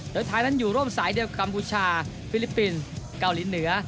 โดยไทยนั้นอยู่ร่วมสายเดียวกัมพูชาฟิลิปปินส์เกาหลีเหนือ